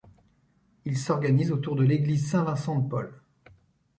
Il s'organise autour de l'église Saint-Vincent-de-Paul.